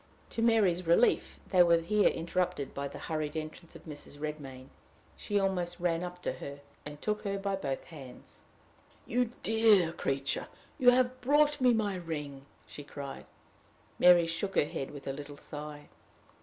To Mary's relief they were here interrupted by the hurried entrance of Mrs. Redmain. She almost ran up to her, and took her by both hands. "You dear creature! You have brought me my ring!" she cried. Mary shook her head with a little sigh.